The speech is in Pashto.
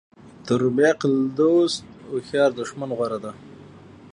تر بیعقل دوست هوښیار دښمن غوره ده.